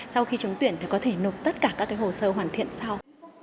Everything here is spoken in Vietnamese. sau khi chứng tuyển thì có thể nộp tất cả các cái hồ sơ hoàn thiện sau